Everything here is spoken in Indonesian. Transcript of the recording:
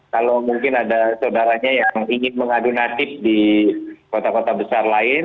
kalau mungkin ada saudaranya yang ingin mengadu natib di kota kota besar lain